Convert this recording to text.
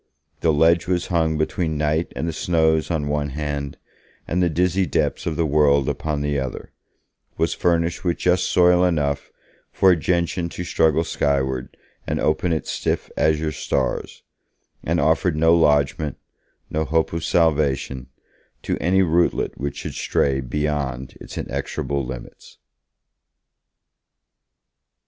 The ledge was hung between night and the snows on one hand, and the dizzy depths of the world upon the other; was furnished with just soil enough for a gentian to struggle skywards and open its stiff azure stars; and offered no lodgement, no hope of salvation, to any rootlet which should stray beyond its inexorable limits.